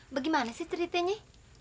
bagaimana sih ceritanya